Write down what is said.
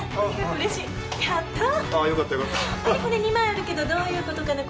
これ２枚あるけどどういうことかな？